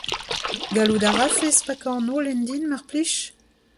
Gallout a rafes pakañ an holen din mar plij ?